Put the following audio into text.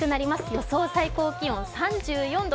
予想最高気温３４度。